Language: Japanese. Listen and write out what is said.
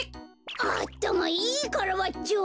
あったまいいカラバッチョ！